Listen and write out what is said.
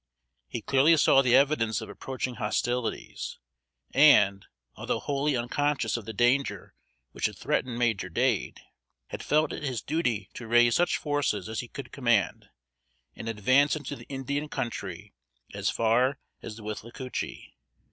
He clearly saw the evidence of approaching hostilities; and, although wholly unconscious of the danger which had threatened Major Dade, had felt it his duty to raise such forces as he could command, and advance into the Indian country as far as the Withlacoochee.